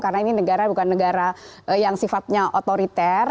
karena ini negara bukan negara yang sifatnya otoriter